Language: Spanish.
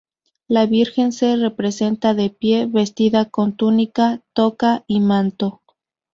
La Virgen se representa de pie, vestida con túnica, toca y manto.